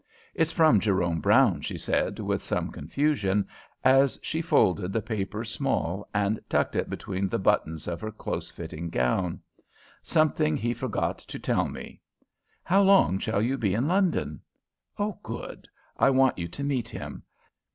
"It's from Jerome Brown," she said with some confusion, as she folded the paper small and tucked it between the buttons of her close fitting gown, "Something he forgot to tell me. How long shall you be in London? Good; I want you to meet him.